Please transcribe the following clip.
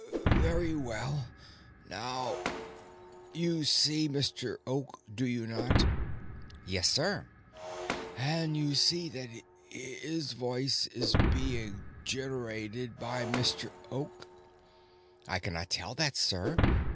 "Very well. Now, you see Mr. Oak, do you not?" "Yes, sir." "And you see that this voice is being generated by Mr. Oak?" "I cannot tell that, sir.